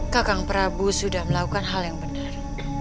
kakang prabu sudah melakukan hal yang benar